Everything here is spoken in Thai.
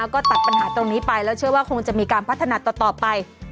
ก็ตัดปัญหาตรงนี้ไปแล้วเชื่อว่าคงจะมีการพัฒนาต่อไป